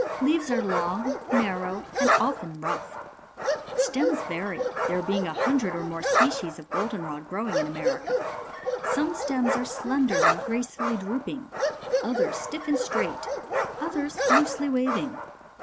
Leaves are long, narrow, and often rough. Stems vary, there being a hundred or more species of goldenrod growing in America some stems are slender and gracefully droop ing—others stiff and straight— others loosely waving.